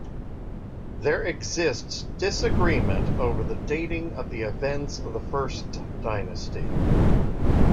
There exists disagreement over the dating of the events of the first dynasty.